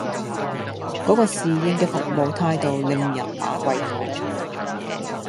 嗰個侍應嘅服務態度令人把鬼火